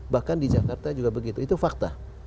bahkan di jakarta juga begitu itu fakta